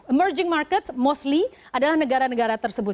emerging market mostly adalah negara negara tersebut